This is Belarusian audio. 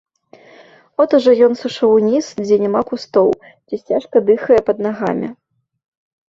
От ужо ён сышоў уніз, дзе няма кустоў, дзе сцежка дыхае пад нагамі.